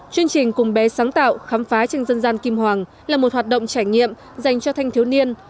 chương trình cùng bé sáng tạo khám phá tranh dân gian kim hoàng là một hoạt động trải nghiệm dành cho thanh thiếu niên